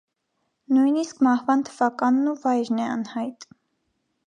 Նույնիսկ մահվան թվականն ու վայրն է անհայտ։